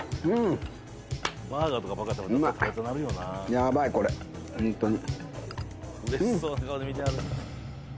ヤバいこれホントに。